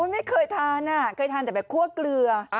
ไม่เคยทานอ่ะเคยทานแต่ไปครัวกลือ